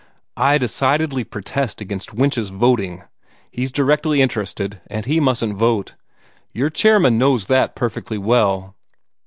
"I decidedly protest against Winch's voting. He's directly interested, and he mustn't vote. Your chairman knows that perfectly well."